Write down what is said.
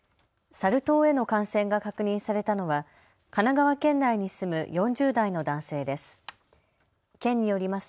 サル痘への感染が確認されたのは神奈川県内に住む４０代の男性です。